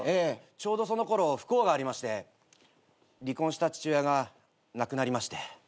ちょうどそのころ不幸がありまして離婚した父親が亡くなりまして。